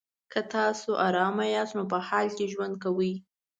که تاسو ارامه یاست نو په حال کې ژوند کوئ.